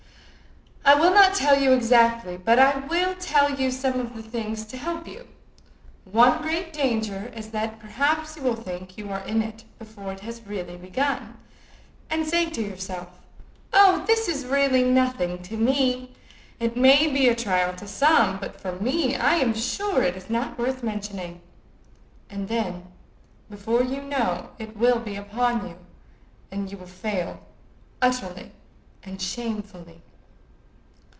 "I will not tell you exactly. But I will tell you some things to help you. One great danger is that perhaps you will think you are in it before it has really begun, and say to yourself, 'Oh! this is really nothing to me. It may be a trial to some, but for me I am sure it is not worth mentioning.' And then, before you know, it will be upon you, and you will fail utterly and shamefully."